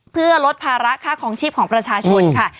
เพื่อลดภาระค่าคลองชีพของประชาชนค่ะ